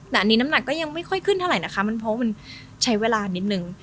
เมื่อกี้น้ำหนักก็ก็อย่างไม่ค่อยขึ้นเพราะมันใช้เวลานิดนึง